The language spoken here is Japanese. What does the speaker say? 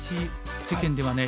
世間ではね